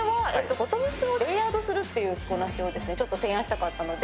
ボトムスをレイヤードするという着こなしをちょっと提案したかったので。